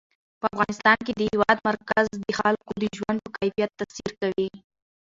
په افغانستان کې د هېواد مرکز د خلکو د ژوند په کیفیت تاثیر کوي.